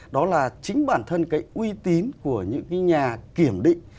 đó là chính bản thân cái uy tín của những cái nhà kiểm định